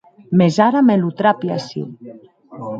Mès ara me lo trapi aciu.